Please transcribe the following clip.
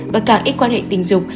và càng ít quan hệ tình dục